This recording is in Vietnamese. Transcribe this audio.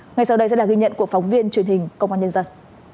ngay sau đây sẽ là ghi nhận của phóng viên truyền hình công an nhân dân